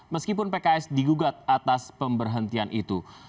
meskipun pks digugat atas pemberhentian itu